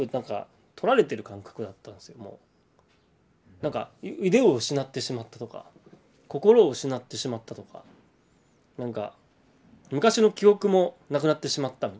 なんか腕を失ってしまったとか心を失ってしまったとか昔の記憶もなくなってしまったみたいな。